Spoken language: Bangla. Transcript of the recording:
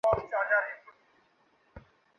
এই বনে তুমি অদ্ভুত অনেক কিছুই দেখবে।